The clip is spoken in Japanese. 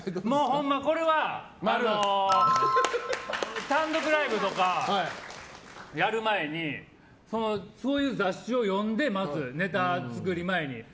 ほんま、これは単独ライブとかやる前にそういう雑誌を読んでネタ作り前に。